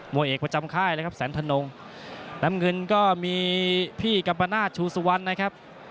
วยเอกประจำค่ายเลยครับแสนทนงน้ำเงินก็มีพี่กัมปนาศชูสุวรรณนะครับ